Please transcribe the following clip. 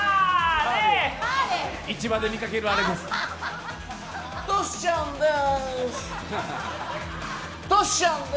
市場で見かけるあれです。